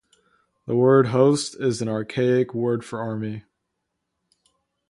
The word host is an archaic word for army.